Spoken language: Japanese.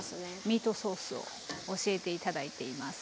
ミートソースを教えて頂いています。